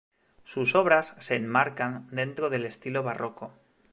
Sus obras se enmarcan dentro del estilo Barroco.